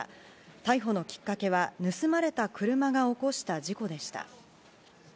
逮捕のきっかけは盗まれた車が起こした事故でした。